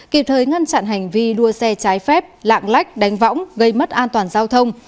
kịp thời ngăn chặn hành vi đua xe trái phép lạng lách đánh võng gây mất an toàn giao thông